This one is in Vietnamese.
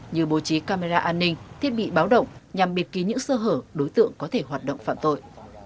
như bố trí camera an ninh thiết bị báo động nhằm biệt ký những sơ hở đối tượng có thể hoạt động phạm tội